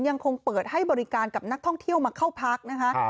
ยังคงเปิดให้บริการกับนักท่องเที่ยวมาเข้าพักนะคะ